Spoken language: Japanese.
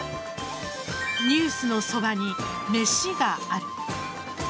「ニュースのそばに、めしがある。」